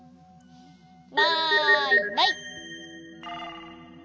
マイマイ。